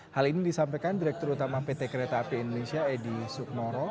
hal ini disampaikan direktur utama pt kereta api indonesia edi sukmoro